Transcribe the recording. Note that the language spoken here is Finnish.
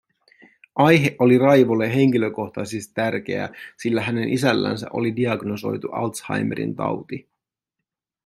Aihe oli Raivolle henkilökohtaisesti tärkeä, sillä hänen isällänsä oli diagnosoitu Alzheimerin tauti.